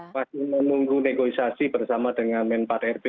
masih menunggu negosiasi bersama dengan men empat rp